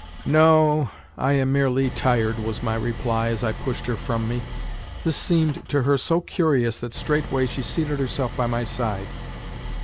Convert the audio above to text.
"No o o: I am merely tired," was my reply as I pushed her from me. This seemed to her so curious that straightway she seated herself by my side.